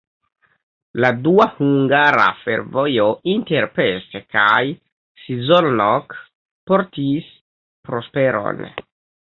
La dua hungara fervojo inter Pest kaj Szolnok portis prosperon.